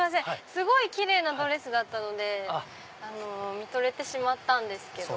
すごい奇麗なドレスだったので見とれてしまったんですけど。